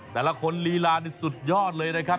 แต่ละคนลีลานี่สุดยอดเลยนะครับ